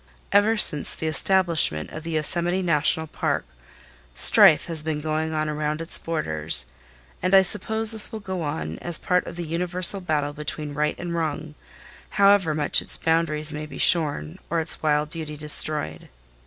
Ever since the establishment of the Yosemite National Park, strife has been going on around its borders and I suppose this will go on as part of the universal battle between right and wrong, however much its boundaries may be shorn, or its wild beauty destroyed.